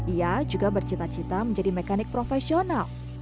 ia juga bercita cita menjadi mekanik profesional